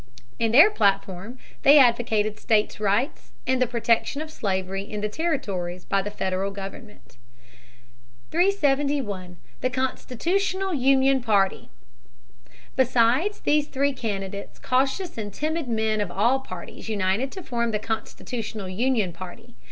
In their platform they advocated states' rights, and the protection of slavery in the territories by the federal government. [Sidenote: The Constitutional Union party.] 371. The Constitutional Union Party. Besides these three candidates, cautious and timid men of all parties united to form the Constitutional Union party.